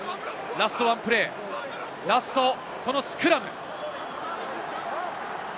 ラストワンプレー、ラスト、このスクラム。